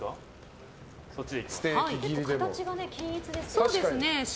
形が均一ですね。